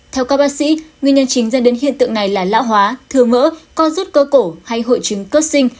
theo các bác sĩ nguyên nhân chính dân đến hiện tượng này là lão hóa thừa mỡ con rút cơ cổ hay hội trứng cất sinh